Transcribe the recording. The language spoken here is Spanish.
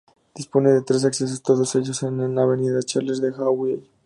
Dispone de tres accesos, todos ellos en la avenida Charles de Gaulle.